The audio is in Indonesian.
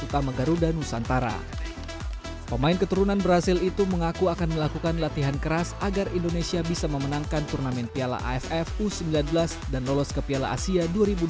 dan juga pemain keturunan berhasil itu mengaku akan melakukan latihan keras agar indonesia bisa memenangkan turnamen piala aff u sembilan belas dan lolos ke piala asia dua ribu dua puluh lima